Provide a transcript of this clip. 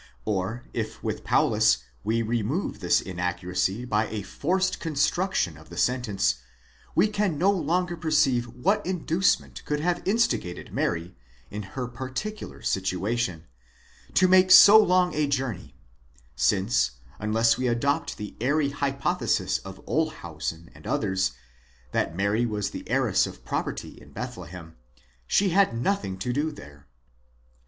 Or, if with Paulus we remove this inaccuracy by a forced construction of the sentence, we can no longer perceive what inducement could have instigated Mary, in her particular situation, to make so long a journey, since, unless we adopt the airy hypothesis of Olshausen and others, that Mary was the heiress of property in Bethlehem, she had nothing to do there.